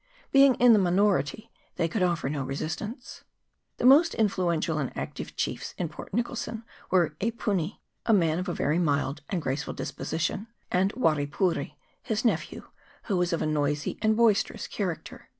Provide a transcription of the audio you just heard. Being in the minority, they could offer no resistance. The most influential and active chiefs in Port Nicholson were E Puni, a man of a very mild and graceful disposition, and Ware Pouri, his nephew, who was of a noisy and boisterous character.